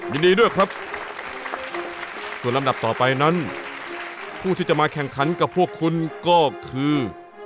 ยินดีด้วยครับส่วนลำดับต่อไปนั้นผู้ที่จะมาแข่งขันกับพวกคุณก็คือ